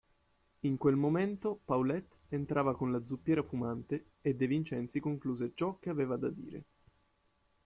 In quel momento Paulette entrava con la zuppiera fumante e De Vincenzi concluse ciò che aveva da dire.